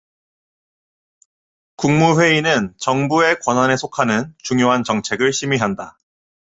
국무회의는 정부의 권한에 속하는 중요한 정책을 심의한다.